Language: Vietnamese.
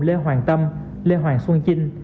lê hoàng tâm lê hoàng xuân chinh